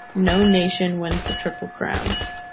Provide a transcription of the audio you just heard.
No nation wins the Triple Crown.